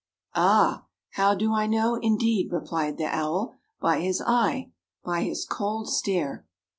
"Uh! how do I know, indeed," replied the owl, "by his eye, by his cold stare."